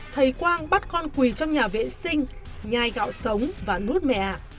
thầy quang bắt con quỳ trong nhà vệ sinh nhai gạo sống và nuôi